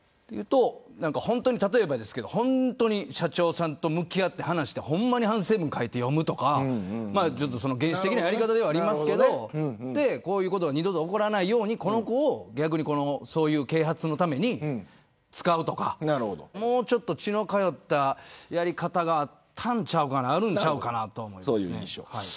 例えば、社長さんと向き合って話して反省文を書いて読むとか原始的なやり方ではあるけどこういうことが二度と起こらないようにこの子をそういう啓発のために使うとかもうちょっと血の通ったやり方があるんちゃうかなと。